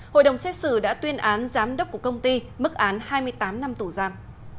hội đồng xét xử đã tuyên án giám đốc của công ty mức án hai mươi tám năm tù giam